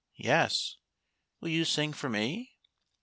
" Yes." " Will you sing for me